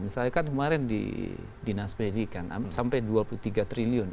misalnya kan kemarin di naspedi kan sampai dua puluh tiga triliun